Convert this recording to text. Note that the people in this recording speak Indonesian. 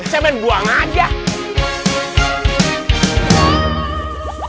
saya main buang aja